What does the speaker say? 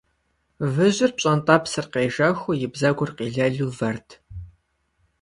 Выжьыр, пщӀэнтӀэпсыр къежэхыу, и бзэгур къилэлу вэрт.